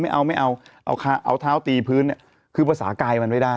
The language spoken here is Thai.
ไม่เอาไม่เอาเอาเท้าตีพื้นเนี่ยคือภาษากายมันไม่ได้